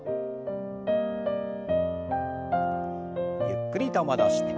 ゆっくりと戻して。